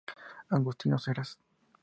Agustinos Eras.